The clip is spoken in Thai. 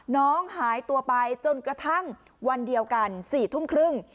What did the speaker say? น้องหายตัวไปจนกระทั่งวันเดียวกัน๔ทุ่มครึ่ง